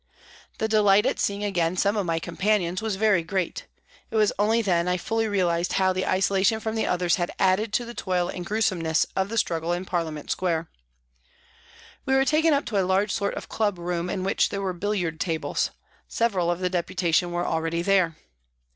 The delight at seeing again some of my companions was very great ; it was only then I fully realised how the isolation from the others had added to the toil and gruesomeness of the struggle in Parliament Square. We were taken up to a large sort of club room, in which there were billiard tables. Several of the Deputation were already there.